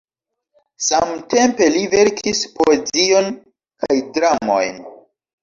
Samtempe li verkis poezion kaj dramojn.